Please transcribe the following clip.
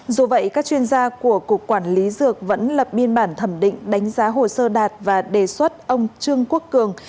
dù vậy các chuyên gia của cục quản lý dược vẫn lập biên bản thẩm định đánh giá hồ sơ đạt và đề xuất ông trương quốc cường